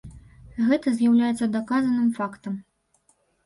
Гэта з'яўляецца даказаным фактам.